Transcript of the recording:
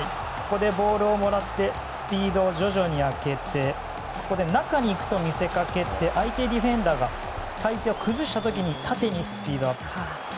ボールをもらってスピードを徐々に上げて中に行くと見せかけて相手ディフェンダーが体勢を崩した時に縦にスピードアップ。